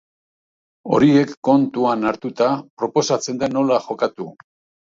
Horiek kontuan hartuta proposatzen da nola jokatu.